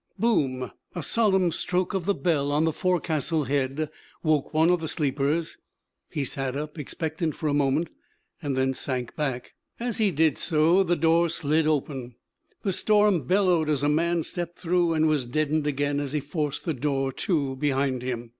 Boom! A solemn stroke of the bell on the forecastle head woke one of the sleepers. He sat up, expectant, for a moment, and then sank back. As he did so the door slid open, the storm bellowed as a man stepped through, and was deadened again as he forced the door to behind him.